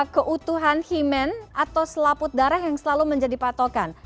keutuhan himen atau selaput darah yang selalu menjadi patokan